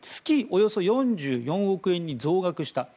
およそ４４億円に増額した。